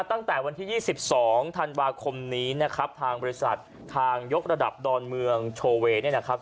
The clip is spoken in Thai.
ตั้งแต่วันที่๒๒ธันวาคมนี้นะครับทางบริษัททางยกระดับดอนเมืองโชเวย์เนี่ยนะครับ